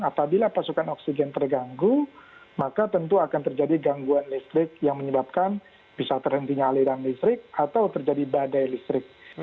apabila pasokan oksigen terganggu maka tentu akan terjadi gangguan listrik yang menyebabkan bisa terhentinya aliran listrik atau terjadi badai listrik